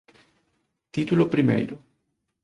Título primeiro